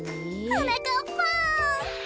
はなかっぱん。